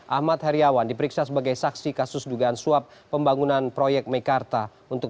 ahmad heriawan diperiksa sebagai saksi kasus dugaan suap pembangunan proyek mekarta untuk